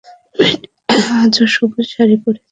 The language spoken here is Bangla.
মেয়েটি আজও সবুজ শাড়ি পরেছে।